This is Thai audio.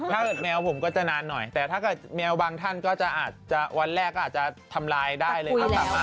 แมวผมก็จะนานหน่อยแต่ถ้าเกิดแมวบางท่านก็จะอาจจะวันแรกก็อาจจะทำลายได้เลยครับ